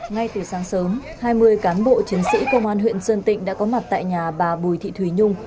ngay từ sáng sớm hai mươi cán bộ chiến sĩ công an huyện sơn tịnh đã có mặt tại nhà bà bùi thị thùy nhung